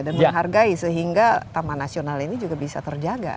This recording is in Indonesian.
dan menghargai sehingga taman nasional ini juga bisa terjaga